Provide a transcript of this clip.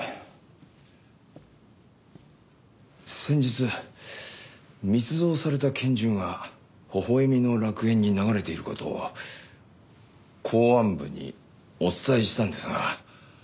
先日密造された拳銃が微笑みの楽園に流れている事を公安部にお伝えしたんですが。